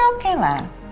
tapi oke lah